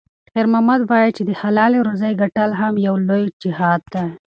خیر محمد وایي چې د حلالې روزۍ ګټل هم یو لوی جهاد دی.